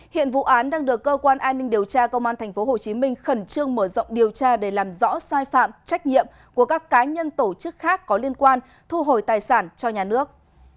hiện vụ án đang được cơ quan an ninh điều tra công an tp hcm khẩn trương mở rộng điều tra để làm rõ sai phạm trách nhiệm của các cá nhân tổ chức khác có liên quan thu hồi tài sản cho nhà nước